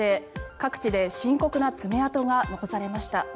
各地で深刻な爪痕が残されました。